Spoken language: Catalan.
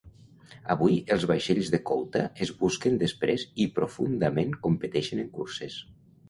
Avui, els vaixells de couta es busquen després i profundament competeixen en curses.